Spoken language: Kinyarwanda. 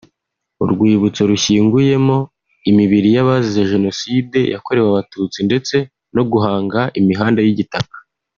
urwibutso rushyinguyemo imibiri y’abazize Jenoside yakorewe Abatutsi ndetse no guhanga imihanda y’igitaka